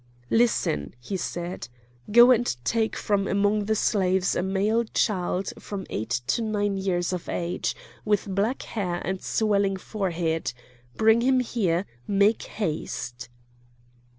"Listen!" he said, "go and take from among the slaves a male child from eight to nine years of age, with black hair and swelling forehead! Bring him here! make haste!"